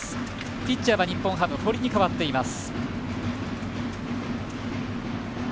ピッチャーは日ハム堀に代わっています。